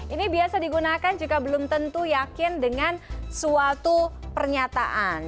ini biasa digunakan jika belum tentu yakin dengan suatu pernyataan